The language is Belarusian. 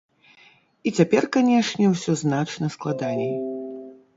І цяпер, канешне, усё значна складаней.